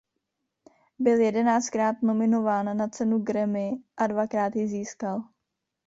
Byl jedenáctkrát nominován na cenu Grammy a dvakrát ji získal.